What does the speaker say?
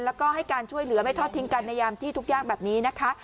แล้วก็ให้การช่วยเหลือไม่ทอดทิ้งกันในยามที่ทุกอย่างแบบนี้นะคะ